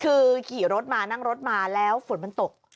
คือขี่รถมานั่งรถมาแล้วฝนมันตก